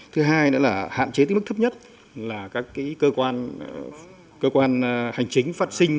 thứ hai nữa là hạn chế tới mức thấp nhất là các cơ quan hành chính phát sinh